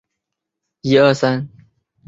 邦讷人口变化图示